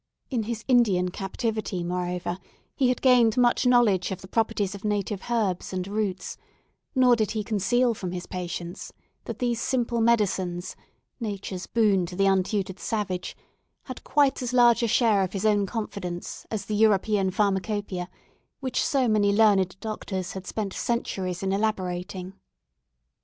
In his Indian captivity, moreover, he had gained much knowledge of the properties of native herbs and roots; nor did he conceal from his patients that these simple medicines, Nature's boon to the untutored savage, had quite as large a share of his own confidence as the European Pharmacopœia, which so many learned doctors had spent centuries in elaborating.